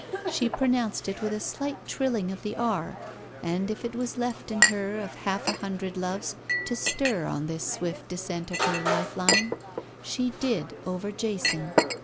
She pronounced it with a slight trilling of the R, and if it was left in her of half a hundred loves to stir on this swift descent of her life line, she did over Jason.